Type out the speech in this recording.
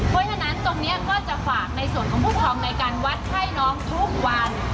เพราะฉะนั้นตรงนี้ก็จะฝากในส่วนของผู้ครองในการวัดไข้น้องทุกวัน